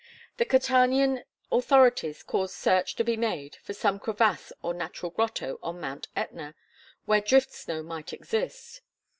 The Catanian authorities caused search to be made for some crevasse or natural grotto on Mt. Ætna, where drift snow might exist.